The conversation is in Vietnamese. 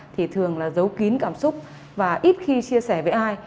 thì thường là giấu kín cảm xúc và ít khi chia sẻ với ai